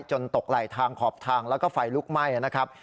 ตกไหลทางขอบทางแล้วก็ไฟลุกไหม้นะครับ